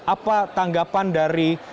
apa tanggapan dari